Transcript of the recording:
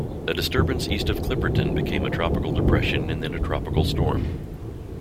A disturbance east of Clipperton became a tropical depression and then a tropical storm.